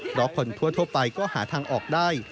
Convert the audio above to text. เพราะคนทั่วไปก็หาทางออกได้